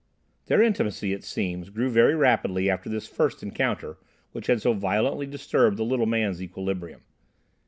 Their intimacy, it seems, grew very rapidly after this first encounter which had so violently disturbed the little man's equilibrium.